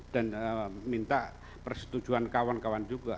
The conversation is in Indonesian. dan minta persetujuan kawan kawan juga